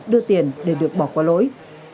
đưa tiền để được bỏ qua lỗi